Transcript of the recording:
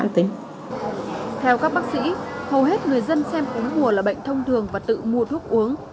theo các bác sĩ hầu hết người dân xem cúm mùa là bệnh thông thường và tự mua thuốc uống